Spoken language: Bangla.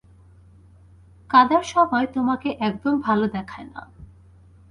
কাঁদার সময় তোমাকে একদম ভালো দেখায় না।